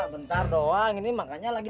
bentar doang ini makanya lagi